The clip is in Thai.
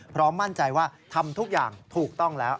มั่นใจว่าทำทุกอย่างถูกต้องแล้ว